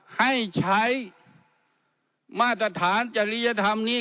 ให้ใช้มาตรฐานจริยธรรมนี้